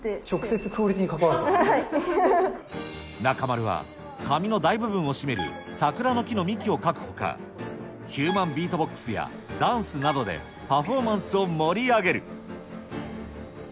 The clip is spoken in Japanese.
直接クオリティーに関わると中丸は、紙の大部分を占める桜の木を幹を描くほか、ヒューマンビートボックスや、ダンスなどで、パフォーマンスを盛り上げる。